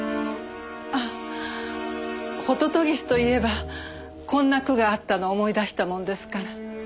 あっホトトギスと言えばこんな句があったのを思い出したものですから。